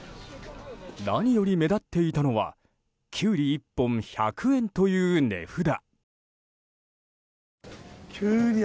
何より目立っていたのはキュウリ１本１００円という値札。